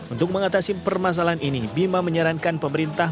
untuk mengatasi permasalahan ini bima menyarankan pemerintah